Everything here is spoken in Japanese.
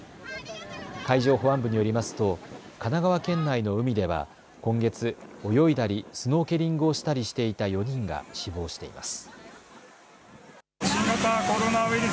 海上保安部によりますと神奈川県内の海では今月泳いだりスノーケリングをしたりしていた４人が死亡しています。